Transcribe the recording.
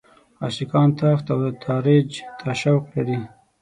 عاشقان تاخت او تاراج ته شوق لري.